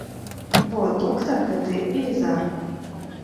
Бо доктар гэты велізарны.